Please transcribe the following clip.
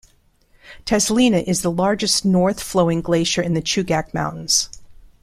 Tazlina is the largest north-flowing glacier in the Chugach Mountains.